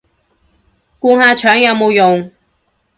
灌下腸有冇用